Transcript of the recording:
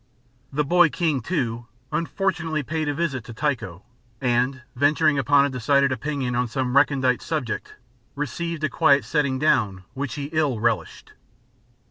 The boy king, too, unfortunately paid a visit to Tycho, and, venturing upon a decided opinion on some recondite subject, received a quiet setting down which he ill relished.